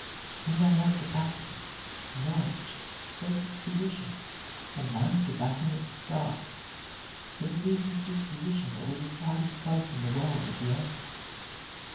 He may have capacity, knowledge, social position, or money to back him at the start; but it is his disposition that will decide his place in the world at the end.